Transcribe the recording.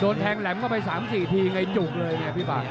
โดนแทงแหลมเข้าไป๓๔ทีไงจุกเลยเนี่ยพี่ปาก